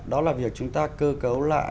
đó là việc chúng ta cơ cấu lại